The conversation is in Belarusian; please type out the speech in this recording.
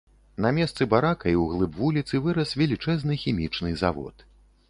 На месцы барака і ў глыб вуліцы вырас велічэзны хімічны завод.